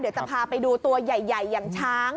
เดี๋ยวจะพาไปดูตัวใหญ่อย่างช้าง